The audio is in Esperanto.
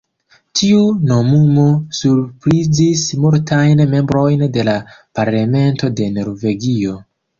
Tiu nomumo surprizis multajn membrojn de la Parlamento de Norvegio.